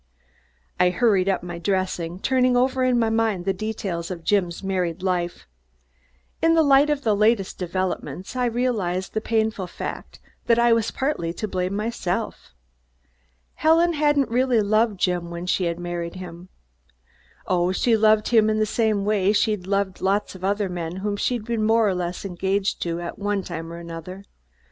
I hurried up my dressing, turning over in my mind the details of Jim's married life. In the light of the latest developments, I realized the painful fact that I was partly to blame myself. Helen hadn't really loved Jim when she married him. Oh, she'd loved him in the same way she'd loved a lot of other men whom she'd been more or less engaged to at one time or another.